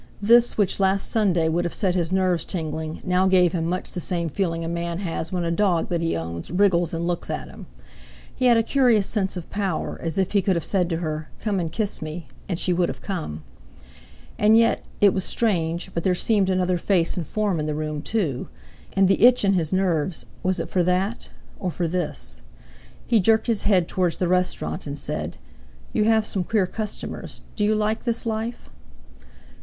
This, which last Sunday would have set his nerves tingling, now gave him much the same feeling a man has when a dog that he owns wriggles and looks at him. He had a curious sense of power, as if he could have said to her, "Come and kiss me," and she would have come. And yet—it was strange—but there seemed another face and form in the room too; and the itch in his nerves, was it for that—or for this? He jerked his head towards the restaurant and said: "You have some queer customers. Do you like this life?"